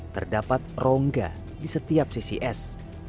terdapat rongga di setiap sisi es